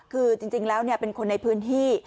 คือจริงแล้วเป็นคนในพื้นที่